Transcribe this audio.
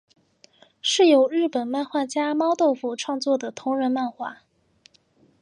是由日本漫画家猫豆腐创作的同人漫画。